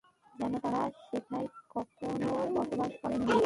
যেন তারা সেথায় কখনও বসবাস করেনি।